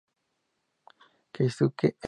Keisuke Endo